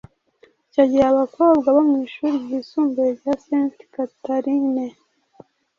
Icyo gihe abakobwa bo mu Ishuri ryisumbuye rya Senti Katarine